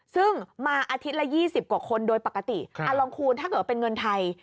ซึ่งมาอาทิตย์ละ๒๐กว่าคนโดยปกติลองคูณถ้าเกิดเป็นเงินไทย